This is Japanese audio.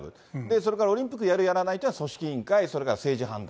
それからオリンピックやるやらないというのは、組織委員会、それから政治判断。